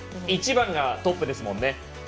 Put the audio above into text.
１番がトップですもんね。